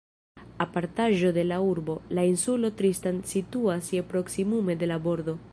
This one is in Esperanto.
Apartaĵo de la urbo, la insulo Tristan situas je proksimume de la bordo.